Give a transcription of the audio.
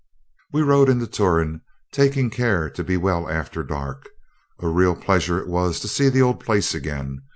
We rode right into Turon, taking care to be well after dark. A real pleasure it was to see the old place again.